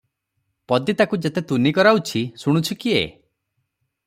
ପଦୀ ତାକୁ ଯେତେ ତୁନି କରାଉଛି, ଶୁଣୁଛି କିଏ?